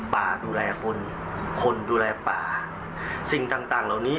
ป่าดูแลคนคนดูแลป่าสิ่งต่างต่างเหล่านี้